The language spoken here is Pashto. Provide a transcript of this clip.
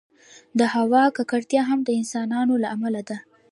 د هوا ککړتیا هم د انسانانو له امله ده.